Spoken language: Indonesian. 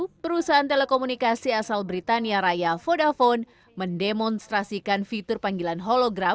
bahkan dua ribu delapan belas lalu perusahaan telekomunikasi asal britania raya vodafone memiliki pengguna yang berpenggilan berbentuk hologram